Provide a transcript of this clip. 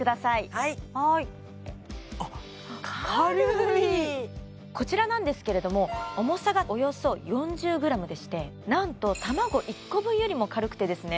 はいはいこちらなんですけれども重さがおよそ４０ｇでしてなんと卵１個分よりも軽くてですね